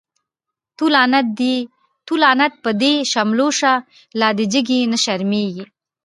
تو لعنت په دی شملو شه، لادی جگی نه شرمیږی